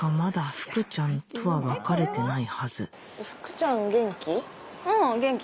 福ちゃん元気？